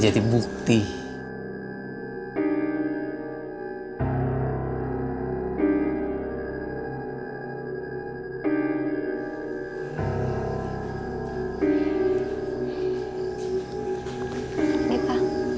kalauololol tak ada